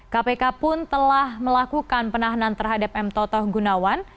kpk pun telah melakukan penahanan terhadap m toto gunawan